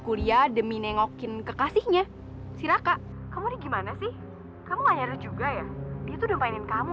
kuliah demi nengokin kekasihnya si raka kamu gimana sih kamu juga ya itu udah mainin kamu